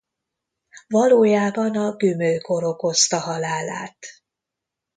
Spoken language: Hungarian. Valójában a gümőkór okozta halálát.